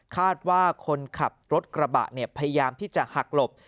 คาดว่าคนขับรถกระบะเนี่ยพยายามที่จะหักหลบ